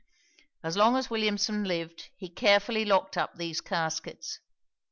As long as Williamson lived, he carefully locked up these caskets.